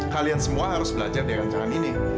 hal yang semua harus belajar dengan kangen ini